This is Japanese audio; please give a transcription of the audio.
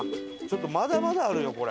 まだまだあるよこれ。